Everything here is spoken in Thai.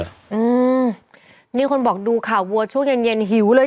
อืมนี่คนบอกดูข่าววัวช่วงเย็นเย็นหิวเลย